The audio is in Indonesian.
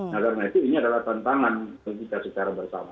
karena itu ini adalah tantangan kita sekarang bersama